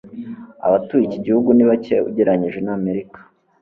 abatuye iki gihugu ni bake ugereranije n'amerika